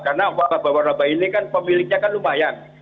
karena waralaba ini kan pemiliknya kan lumayan